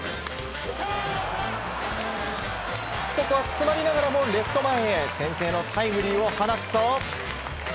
ここは詰まりながらもレフト前へ先制のタイムリーを放つと。